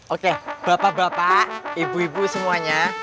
oke bapak bapak ibu ibu semuanya